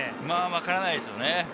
わからないですよね。